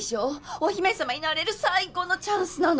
お姫さまになれる最後のチャンスなの。